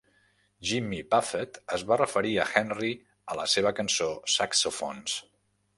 Jimmy Buffett es va referir a Henry a la seva cançó "Saxophones".